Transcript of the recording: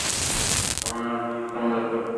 আমার আরো কিছু সময় লাগবে।